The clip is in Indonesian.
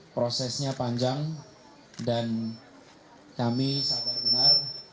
prosesnya panjang dan kami sabar benar